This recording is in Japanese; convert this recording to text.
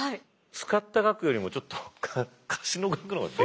使った額よりもちょっと貸しの額の方がでかくない？